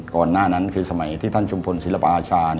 หน้านั้นคือสมัยที่ท่านชุมพลศิลปอาชา